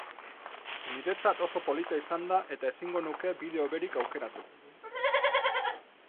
Niretzat oso polita izan da eta ezingo nuke bide hoberik aukeratu.